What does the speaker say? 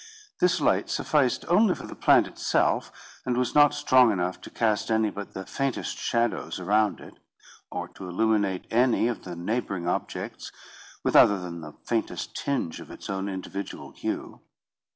This light sufficed only for the plant itself, and was not strong enough to cast any but the faintest shadows around it, or to illuminate any of the neighbouring objects with other than the faintest tinge of its own individual hue.